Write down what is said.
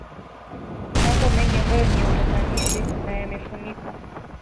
Mambo mengi ambayo ni ya utatanishi na yamefunikwa